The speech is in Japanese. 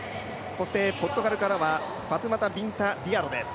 そしてポルトガルからはファトゥマタビンタ・ディアロです。